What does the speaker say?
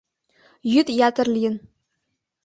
Йӱд ятыр лийын.